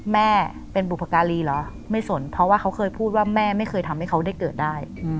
แม่เป็นบุพการีเหรอไม่สนเพราะว่าเขาเคยพูดว่าแม่ไม่เคยทำให้เขาได้เกิดได้